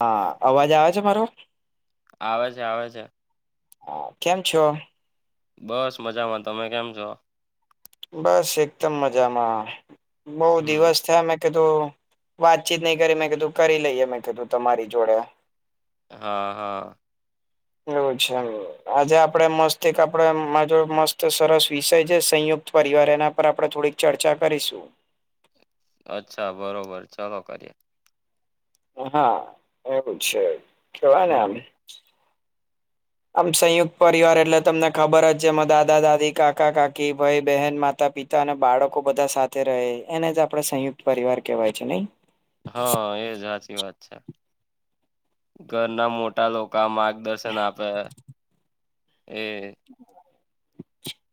હા અવાજ આવે છે મારો આવે છે આવે છે. હા કેમ છો? બસ મજામાં, તમે કેમ છો? બસ એકદમ મજામાં, બહ હમ દિવસ થયા મે કીધું વાતચીત નહી કરી મેં કીધું કરી લઈએ મેં કીધું તમારી જોડે હા હા. એવું છે એમ આજે આપડે મસ્ત એક આપડે માર જોડે મસ્ત સરસ વિષય છે સંયુક્ત પરિવાર એના પર આપડે થોડીક ચર્ચા કરીશું અચ્છા બરોબર ચાલો કરીએ. હા એવું જ છે, કેવા ને આમ હમ આમ સંયુક્ત પરિવાર એટલે તમને ખબર જ જે એમાં દાદા દાદી, કાકા કાકી, ભાઈ બહેન, માતા પિતા તા બાળકો બધા સાથે રહે એને જ આપડ સંયુક્ત પરિવાર કેહેવાય છે નહી? હા એજ સાચી વાત છે, ઘરના મો ટા લોકો માર્ગદર્શન આપે એ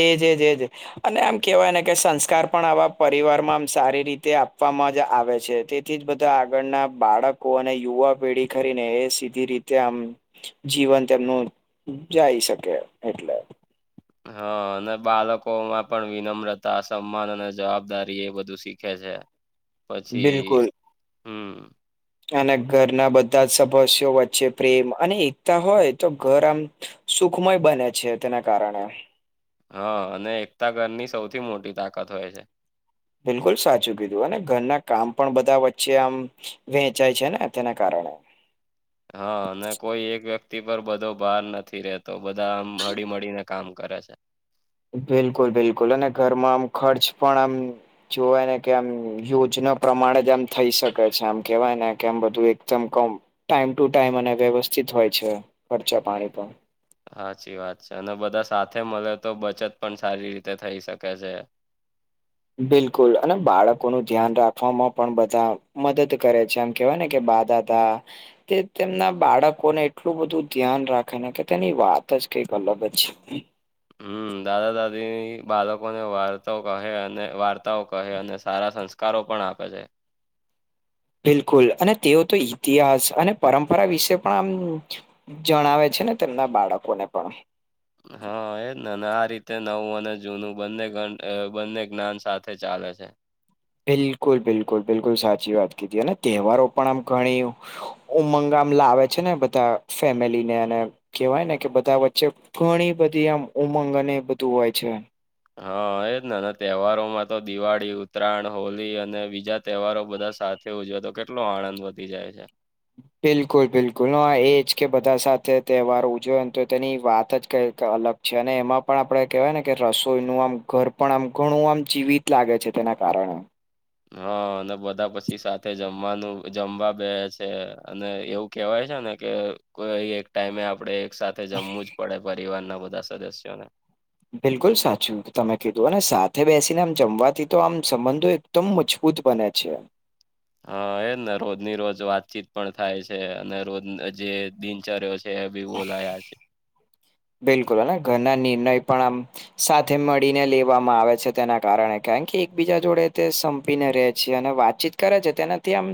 એ જ જ જ અને આમ કેવાય ને કે સંસ્કાર પણ આવા પરિવારમાં આમ સારી રીતે આપવામાં જ આવે છે થી જ બધા આગળના બાળકો અને યુવા પેઢી ખરીને એ સીધી રીતે આમ જીવન તેમનું જાય શકે એટલે હા અને બાળકો માં પણ વિનમ્રતા સન્માન અને જવાબદારી એ બધું શીખે છે પછી બિલકુલ હમ અને ઘરના બધા જ સભસ્યો વચ્ચે પ્રેમ અને એકતા હોય તો ઘર આમ સુખમય બને છે, તેના કારણે. હા અને એકતા ઘરની સૌથી મોટી તાકાત હોય છે બિલકુલ સાચું કીધું અને ઘરના કામ પણ બધા વચ્ચે આમ વેંચાય છે ને તેના કારણે હા અને કોઈ એક વ્યક્તિ પર બધો ભાર નથી રતો બધા આમ હરીમળી ને કામ કરે છે બિલકુલ બિલકુલ અને ઘરમાં આમ ખર્ચ પણ આમ જોવાય ને કે આમ યોજના પ્રમાણે જ આમ થઈ શકે છે આમ કેવાયને કે આમ બધું એકદમ કમ ટાઈમ ટુ ટાઈમ અને વ્યવસ્થિત હોય છે ખર્ચા પાણી પણ સાચી વાત છે અને બધા સાથે મળે તો બચત પણ સારી રીતે થઈ શકે છે બિલકુલ અને બાળકોનું ધ્યાન રાખવામાં પણ બધા મદદ કરે છે એમ કહેવાય ને કે બાદા તા તે તેમના બાળકોને એટલું બધું ધ્યાન રાખેને કે તેની વાત જ કઈક અલગ જ છે હમ દાદા દાદી બાળકોને વાર્તા કહે અને વાર્તાઓ કહે અને સારા સંસ્કાર કારો પણ આપે છે બિલકુલ અને તેઓ તો ઇતિહાસ અને પરંપરા વિશે પણ આમ જણાવે છે ને તેમના બાળકોને પણ હા એજ ને આ રીતે નવું અને જૂનું બંને ગ બંને જ્ઞાન સાથે ચાલે છે બિલકુલ બિલકુલ બિલકુલ સાચી વાત કીધી અને તહેવારો પણ આમ ઘણી ઉમંગ આમ લાવે છે ને બધા ફેમિલીને અને કેવાય ને કે બધા વચ્ચે ઘણી બધી આમ ઉમંગ અને એ બધું હોય છે હા એજ ને તહેવારોમાં તો દિવાળી ઉત્તરાયણ હોલી અને બીજા તહેવારો બધા સા થવું જોઈએ તો કેટલો આણંદ વધી જાય છે બિલકુલ બિલકુલ એ જ કે બધા સાથે તહેવાર ઉજવે ને તો તેની વાત જ કઈક અલગ છે અને એમાં પણ આપડે કેહેવાય ને કે રસોઈનું આમ ઘર પણ આમ ઘણું આમ જીવિત લાગે છે તેના કારણે હા અને બધા પછી સાથે જમવાનું જમવા બે છે અને એવું કહેવાય છે ને કે કોઈ એક ટાઈમે આપડે એક સાથે જમવું જ પડે પરિવાર ના બધા સદસ્યોને બિલકુલ સાચું તમે કીધું અને સાથે બેસીને આમ જમવાથી તો આમ સંબંધો એકદમ મજબૂત બને છે હા એજને રોજની રોજ વાતચીત પણ થાય છે અને રોજ જે દિનચર્યા છે છે એ બોલાયા છે બિલકુલ અને ઘરના નિર્ણય પણ આમ સાથે મળીને લેવામાં આવે છે તેના કારણે કેમ કે એકબીજા જોડે તે સંપીને રે છે અને વાત ચિત કરે છે તેનાથી આમ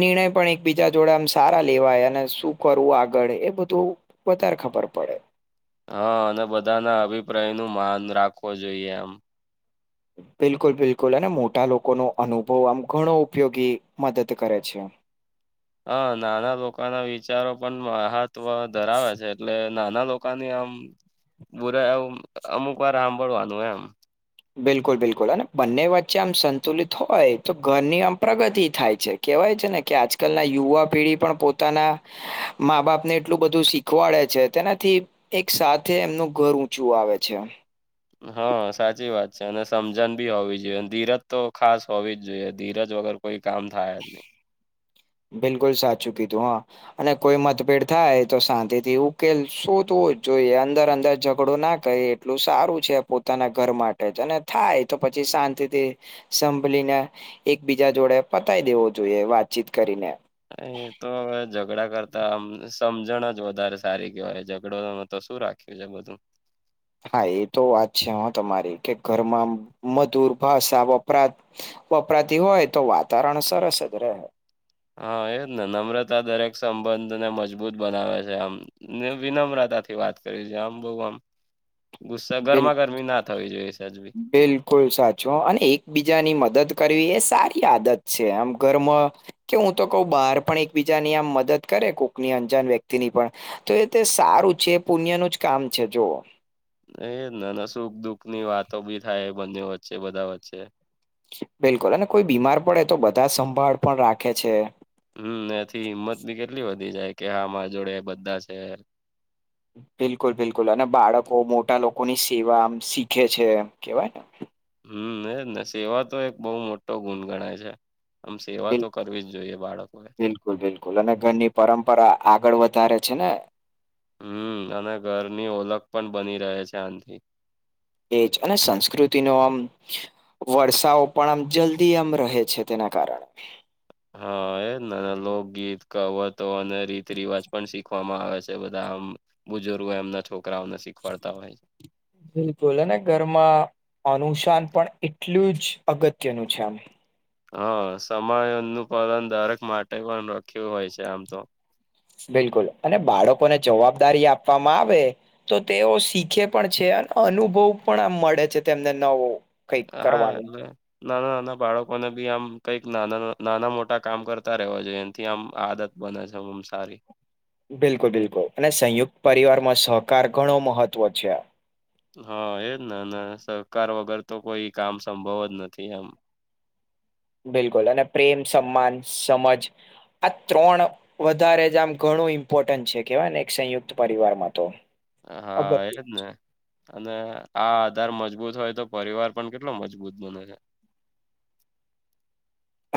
નિર્ણય પણ એકબીજા જોડેમ સારા લેવાય અને શું કરવું આગળ એ બધું વધારે ખબર પડે હા અને બધા ના અભિપ્રાય નું માન રાખવો જોઈએ એમ બિલકુલ બિલકુલ અને મોટા લોકો ન અનુભવ આમ ઘણો ઉપયોગી મદદ કરે છે હ નાના લોકો ના વિચારો પણ મહત્વ ધરાવે છે એટલે નાના લોકોની આમ બુરા અમુક વાર સાંભળવાનું એમ બિલકુલ બિલકુલ અને બંને વચ્ચે આમ સંતુલિત હોય તો ઘરની આમ પ્રગતિ થાય છે કહેવાય છે ને કે આજકાલના યુવા પેઢી પણ પોતાના મા બાપ ને એટલું બધું શીખવાડે છે તેનાથી એક સાથે એમનું ઘર ઊંચું આવે છે હા સાચી વાત છે અને સમજણ બી હોવી જોઈએ ધીરજ તો ખાસ હોવી જ જોઈએ ધીરજ વગર કોઈ કામ થાય જ નહીં. બિલકુલ સાચું કીધું હા. અને કોઈ મતભેદ થાય તો શાંતિ થી ઉકેલ શું થું જોઈએ અંદર અંદર ઝઘડો ના કરી એટલું સારું છે પોતાના ઘર માટે જ અને થાય તો પછી શાંતિથી સાંપલી ને એકબીજા જોડે પતાય દેવો જોઈએ વાતચીત કરીને એ તો હવે ઝઘડા કરતા આમ સમજણ જ વધારે સારી કેહેવાય ઝઘડો તો શું રાખે બીજુ બધું હા એ તો વાત છે હ તમારી કે ઘરમાં મધુર બસ આ વપરા વપરાતી હોય તો વાતાવરણ સરસ જ રે હા એજ ને નમ્રતા દરેક સંબંધને મજબૂત બનાવે છે આમ વિનમ્રતા થી વાત કરી આમ બઉ આમ ગુસ્સા બિલકુલ ગરમા ગરમી ના થવી જોઈએ છે આજ ભી કોલ સાચો અને એકબીજાની મદદ કરવી એ સારી આદત છે આમ ઘરમાં કે હું તો કઉ બહાર પણ એકબીજાની આમ મદદ કરે કોકની અંજાન વ્યક્તિની પણ તો એ તે સારું છે એ પુણ્યનું જ કામ છે જોઓ એ નાના સુખ દુઃખ ની વાતો બી થાય બંને વચ્ચે બધા વચ્ચે બિલકુલ અને કોઈ બીમાર પડે તો બધા સંભાળ પણ રાખે છે. હમ્મ એથી હિંમત બી કેટલી વધી જાય કે હા મા જોડે બધા છે. બિલકુલ બિલકુલ અને બાળકો મોટા લોકોની સેવામ શીખે છે એમ કેવાય ને હમ્મ એ જ ને સેવા તો એક બહુ મોટો ગુણ ગણાય છે. આમ સેવા તો બિલ- કરવી જ જોઈએ બાળકોએ બિલકુલ બિલકુલ અને ઘરની પરંપરા આગળ વધારે છે ને હમ્મ અને ઘરની ઓલખ પણ બની રહે છે આથી એજ અને સંસ્કૃતિ નું આમ વરસાઓ પણ આમ જલ્દી આમ રહે છે તેના કારણે હા એ લોકગીત કવતો અને રીતિ રિવાજ પણ શીખવામાં આવે છે બધા આમ બુજુર્ગો એમના છોકરાઓને શીખવાડતા હોય છે. બિલકુલ અને ઘરમાં અનુસાન પણ એટલું જ અગત્યનું છે આમ હા સમાય નનું પાલન દરેક માટે પણ રાખ્યું હોય છે આમ તો બિલકુલ અને બાળકોને જવાબદારી આપવામાં આવે તો તેઓ શીખે પણ છે અને અનુભવ પણ આમ મળે છે તેમને નવો કઈક હા કરવાનું ને નાના નાના બાળકોને બી આમ કંઈક નાના નાના મોટા કામ કરતા રેવા જોઈએ એનાથી આમ આદત બને છે એમ સારી બિલકુલ બિલકુલ અને સંયુક્ત પરિવારમાં સહકાર ઘણો મહત્વ છે. હા એજ ને અને સરકાર વગર તો કોઈ કામ સંભવ જ નથી એમ. બિલકુલ અને પ્રેમ સમાન સમજ આ ત્રણ વધારે જ આમ ઘણું ઇમ્પોર્ટન્ટ છે કેવા ને એક સંયુક્ત પરિવારમાં તો હા એજ અગત્ય ને અને આ આધાર મજબૂત હોય તો પરિવાર પણ કેટલો મજબૂત બને છે.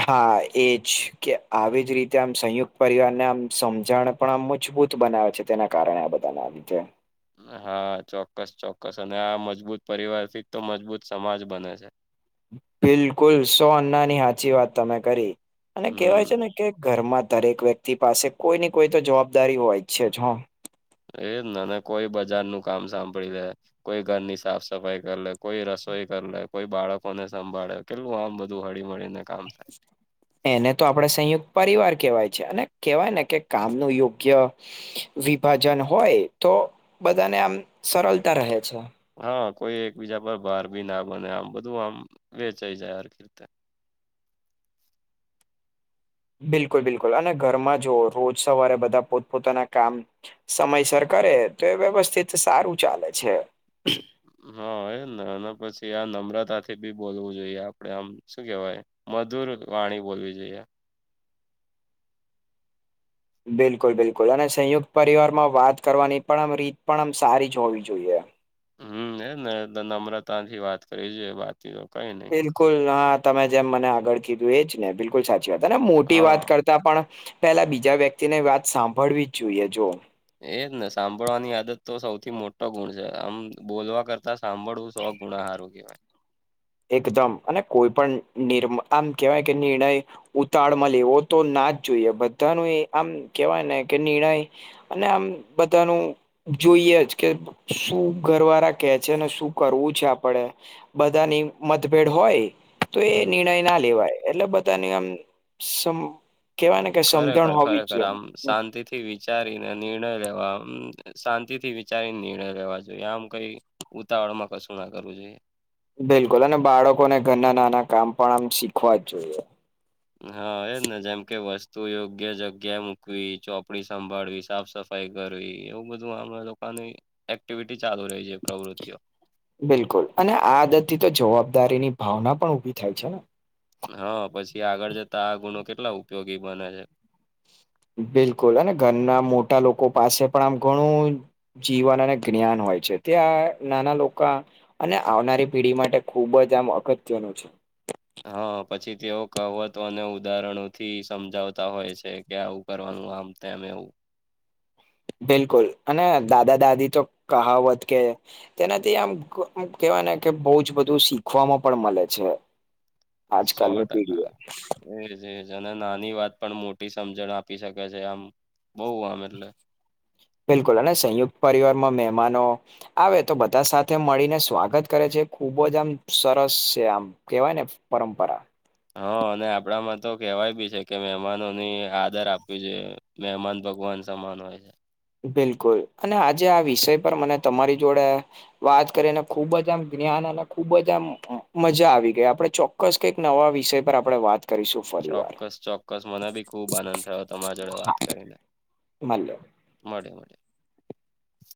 હા એજ કે આવી જ રીતે આમ સંયુક્ત પરિવારને આમ સમજણ પણ આ મજબૂત બનાવે છે તેના કારણે આ બધા ના લીધે હા ચોક્કસ ચોક્કસ અને આ મજબૂત પરિવારથી તો મજબૂત સમાજ બને છે. બિલકુલ સો અન્નાની સાચી વાત તમે કરી અને હમ કેવાય છે ને કે ઘરમાં દરેક વ્યક્તિ પાસે કોઈ ની કોઈ તો જવાબદારી હોય જ છે જ હ એજ ના કોઈ બજારનું કામ સાંભળી લે કોઈ ઘરની સાફ સફાઈ કરી લે કોઈ રસોઈ કરી લે કોઈ બાળકોને સંભાળે કેટલું આમ બધું હળી મળી ને કામ થાય એને તો આપડે સંયુક્ત પરિવાર કહેવાય છે અને કહેવાય ને કે કામનું યોગ્ય વિભાજન હોય તો બધાને આમ સરળતા રહે છે. હા કોઈ એકબીજા પર બાર ભી ના બને આમ બધું આમ વેચાઈ જાય આખી રીતે બિલકુલ બિલકુલ અને ઘરમાં જોઓ રોજ સવારે બધા પોતપોતાના કામ સમયસર કરે તો એ વ્યવસ્થિત સારું ચાલે છે. હા એ ને અને પછી આ નમ્રતાથી બી બોલવું જોઈએ આપડે આમ શું કેવાય મધુર વાણી બોલવી જોઈએ. બિલકુલ બિલકુલ અને સંયુક્ત પરિવાર માં વાત કરવાની પણ આમ રીત પણ આમ સારી જ હોવી જોઈએ. હમ એ ને નમ્રતાથી વાત કરી છેઈએ બાકી તો કઈ નઈ. બિલકુલ હા તમે જેમ મને આગળ કીધું એજ ને બિલકુલ સાચું. મોટી વાત હા. કરતા પણ પેલા બીજા વ્યક્તિને વાત સાંભળવીજ જોઈએ જો. એજ ને સાંભળવાની આદત તો સૌથી મોટો ગુણ છે આમ બોલવા કરતા. સાંભળવું સો ગુણા સારું કેહેવાય. એકદમ અને કોઈ પણ નિર્મ આમ કેવાય કે નિર્ણય. ઉતાડમાં લેવો તો ના જ જોઈએ બધા ન એ આમ કેવાય ને કે નિર્ણય. અને આમ બધાનું. જોઈએ જ કે શું ઘરવાળા કે છે ને શું કરવું છે આપડે. બધાની. મતભેડ હોય તો એ હમ. નિર્ણય ના લેવાય એટલે બધાની આમ. કેહેવાય ને કે સમજણ હોવી જ જોઈએ. શાંતિ થી વિચારીને નિર્ણય લેવા શાંતિથી વિચારીને નિર્ણય લેવા જોઈએ આમ કઈ. ઉતાવળ માં કશું ના કરવું જોઈએ. બિલકુલ અને બાળકોને ઘરના નાના કામ પણ આમ શીખવાજ જોઈએ. હા એજ ને જેમ કે વસ્તુ યોગ્ય જગ્યા મૂકવી ચોપડી સંભળવી સાફ સફાઈ. સફાઈ કરવી એવું બધું લોકોની એક્ટિવિટી ચાલુ રહી. જે પ્રવૃતિઓ. બિલકુલ અને આ આદત થી તો જવાબદારી ની ભાવના પણ ઉભી થાય છે ને. હા પછી આગળ જતા આ ગુણો કેટલા ઉપયોગી બને છે. બિલકુલ અને ઘરના મોટા લોકો પાસે પણ આમ ઘણું. જીવન અને જ્ઞાન હોય છે ત્યાં નાના લોકો. અને આવનારી પેઢી માટે ખુબજ આમ અગત્યનું છે. હા પછી તેઓ કહવતો અને ઉદાહરણો થી સમજાવતા હોય છે કે આવું. કરવાનું આમ તેમમ એવું. બિલકુલ અને દાદા દાદી તો કહાવત કે. તેનાથી આમ કેવાય ને કે બહુજ બધું શીખવામાં પણ મળે છે. આજ કલની પીડી. જે અને નાની વાત પણ મોટી સમજણ આપી શકે છે આમ બઉ આમ એટલે. બિલકુલ અને સંયુક્ત પરિવારમાં મહેમાનો. આવે તો બધા સાથે મળીને સ્વાગત કરે છે ખુબજ આમ સરસ છે આમ. કેવાય ને પરંપરા. હા અને આપડામાં તો કેવાય બી છે કે મહેમાનોની આદર આપવી જોઈ. મહેમાન ભગવાન સમાન હોય છે. બિલકુલ અને આજે આ વિષય પર મને તમારી જોડે. વાત કરીને ખુબજ આમ જ્ઞાન અને ખૂબજ આમ મજા આવી ગઈ આપડે ચો. ચોક્કસ કઈક નવા વિષય પર આપણે વાત કરીશું. ફરી વાર ચોક્કસ ચોક્કસ મને બી ખૂબ આનંદ થયો તમારા જોડે વાત કરીને. મળીએ મળડે મળડે.